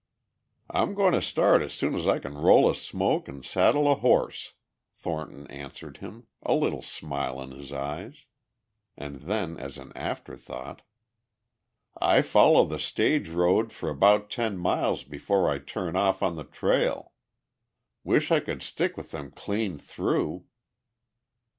"I'm going to start as soon as I can roll a smoke and saddle a horse," Thornton answered him, a little smile in his eyes. And then, as an after thought, "I follow the stage road for about ten miles before I turn off on the trail. Wish I could stick with them clean through."